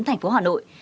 thành phố hà nội